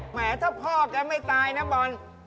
แหมถ้าพ่อแกไม่ตายนะบอล